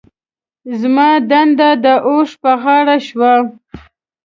زما دنده د اوښ په غاړه شوه.